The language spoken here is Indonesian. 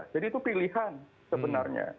jadi itu pilihan sebenarnya